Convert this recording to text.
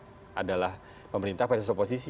yang adalah pemerintah versus oposisi